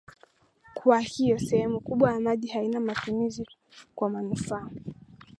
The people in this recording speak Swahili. Kwa hiyo sehemu kubwa ya maji haina matumizi kwa manufaa